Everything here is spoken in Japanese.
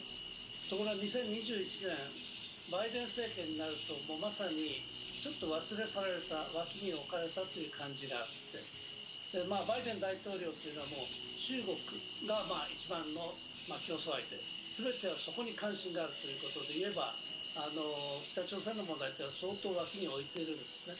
ところが２００１年、バイデン政権になると、忘れ去られた、脇きに置かれた感じがあってバイデン大統領というのは中国が一番の競争相手、全てはそこに関心があるということでいえば、北朝鮮の問題というのは、相当、脇に置いてるんですね。